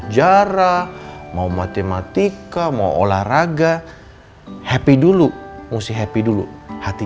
ya mama gak liat